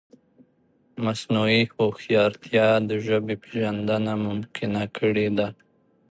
مصنوعي هوښیارتیا د ژبې پېژندنه ممکنه کړې ده.